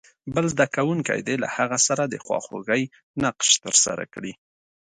بل زده کوونکی دې له هغه سره د خواخوږۍ نقش ترسره کړي.